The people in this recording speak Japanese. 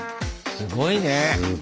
すごいね！